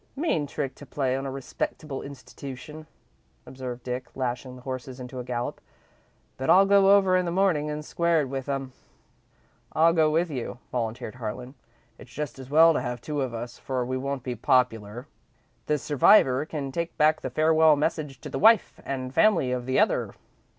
"Mean trick to play on a respectable institution," observed Dick, lashing the horses into a gallop, "but I'll go over in the morning and square it with 'em." "I'll go with you," volunteered Harlan. "It's just as well to have two of us, for we won't be popular. The survivor can take back the farewell message to the wife and family of the other."